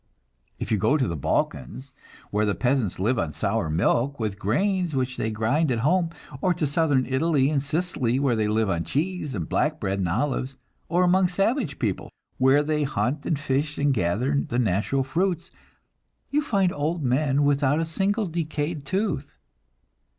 If you go to the Balkans, where the peasants live on sour milk, with grains which they grind at home; or to southern Italy and Sicily, where they live on cheese and black bread and olives; or among savage people, where they hunt and fish and gather the natural fruits, you find old men without a single decayed tooth.